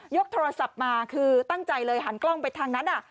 กโทรศัพท์มาคือตั้งใจเลยหันกล้องไปทางนั้น